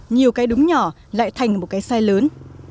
nhiều cái đúng nhỏ lại thành một cái sai lớn